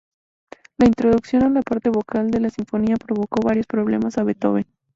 La introducción a la parte vocal de la sinfonía provocó varios problemas a Beethoven.